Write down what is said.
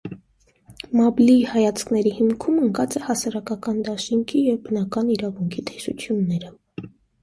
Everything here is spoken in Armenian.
Մաբլիի հայացքների հիմքում ընկած էին հասարակական դաշինքի և բնական իրավունքի տեսությունները։